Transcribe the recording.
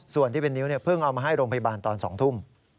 ส่วนที่เป็นนิ้วเพิ่งเอามาให้โรงพยาบาลตอน๒ทุ่ม